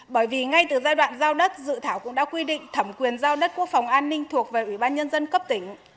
bởi vì ngay từ giai đoạn giao đất dự thảo cũng đã quy định thẩm quyền giao đất quốc phòng an ninh thuộc về ủy ban nhân dân cấp tỉnh